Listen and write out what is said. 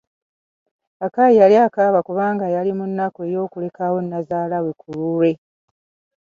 Akai yali akaaba kubanga yali mu nnaku ey'okulekawo nazaala we ku lulwe.